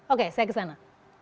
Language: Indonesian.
oke saya kesana